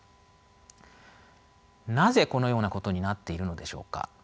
なぜこのようなことになっているのでしょうか。